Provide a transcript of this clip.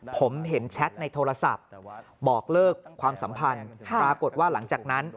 ผมเห็นแชทในโทรศัพท์บอกเลิกความสัมพันธ์ปรากฏว่าหลังจากนั้น